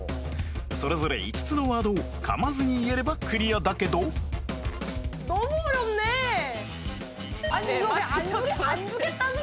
それぞれ５つのワードをかまずに言えればクリアだけどねえ待ってちょっと待って。